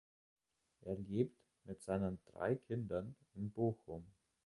Er lebt mit seinen drei Kindern in Bochum.